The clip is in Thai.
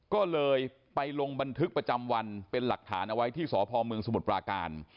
ก็เลยไปลงบันทึกประจำวันเป็นหลักฐานเอาไว้ที่สพเมืองสมุทรปราการ